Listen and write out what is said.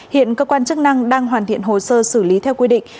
hiện cơ quan chức năng đang hoàn thiện hồ sơ xử lý theo quy định